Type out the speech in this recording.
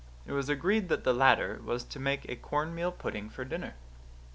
It was agreed that the latter was to make a cornmeal pudding for dinner.